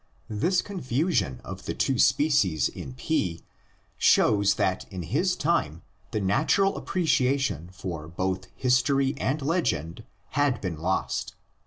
This confusion of the two species in P shows that in his time the natural appreciation for both history and legend had been lost.